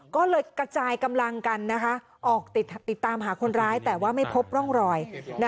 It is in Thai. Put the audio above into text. ก็เลยกระจายกำลังกันออกติดตามหาคนร้ายแต่ว่าไม่พบร่องรอย